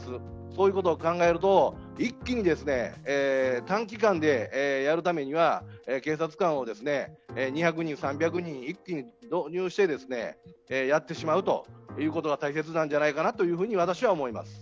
そういうことを考えると一気に短期間でやるためには警察官を２００人、３００人、一気に投入してやってしまうということが大切なんじゃないかなと私は思います。